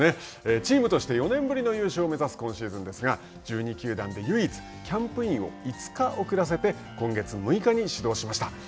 チームとして４年ぶりの優勝を目指す今シーズンですが１２球団で唯一キャンプインを５日おくらせて今月６日に始動しました。